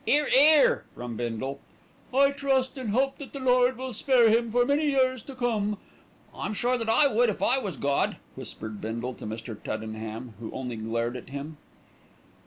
("'Ere, 'ere!" from Bindle.) I trust and hope that the Lord will spare him for many years to come. ("I'm sure I would if I was Gawd," whispered Bindle to Mr. Tuddenham, who only glared at him.)